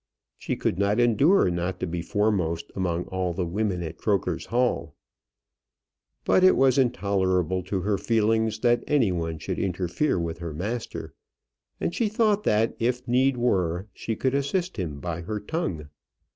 She could not endure not to be foremost among all the women at Croker's Hall. But it was intolerable to her feelings that any one should interfere with her master; and she thought that, if need were, she could assist him by her tongue.